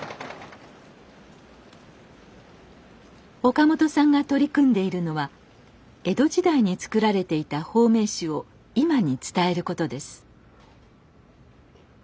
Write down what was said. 岡本さんが取り組んでいるのは江戸時代につくられていた保命酒を今に伝えることです。